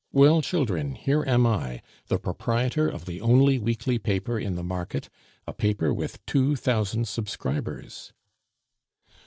"Well, children, here am I, the proprietor of the only weekly paper in the market, a paper with two thousand subscribers!"